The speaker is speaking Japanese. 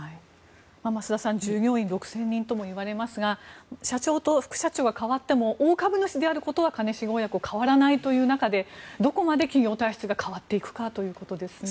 増田さん、従業員は６０００人ともいわれますが社長と副社長が代わっても大株主であることは兼重親子であることに変わらないということでどこまで企業体質が変わっていくかということですね。